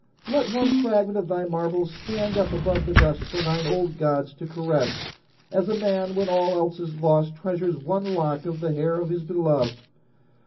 "Let one fragment of thy marbles stand up above the dust for thine old gods to caress, as a man when all else is lost treasures one lock of the hair of his beloved.